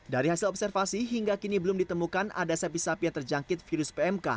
dari hasil observasi hingga kini belum ditemukan ada sapi sapi yang terjangkit virus pmk